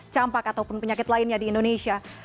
campak ataupun penyakit lainnya di indonesia